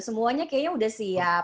semuanya kayaknya udah siap